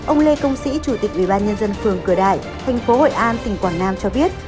ông lê công sĩ chủ tịch ubnd phường cửa đại thành phố hội an tỉnh quảng nam cho biết